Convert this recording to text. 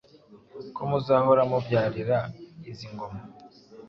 Ko muzahora mubyarira izi ngoma